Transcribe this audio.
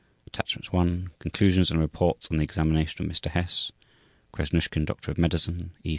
Attachments: I. Conclusions, and II. Report on the examination of Mr. Hess. /s/ KRASNUSHKIN Doctor of Medicine /s/ E.